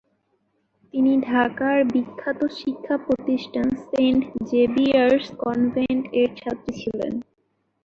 তিনি ঢাকার বিখ্যাত শিক্ষা প্রতিষ্ঠান সেন্ট জেভিয়ার্স কনভেন্ট-এর ছাত্রী ছিলেন।